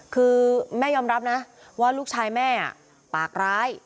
คือแม่ยอมรับนะว่าลูกชายแม่ปากร้าย